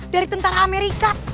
dari tentara amerika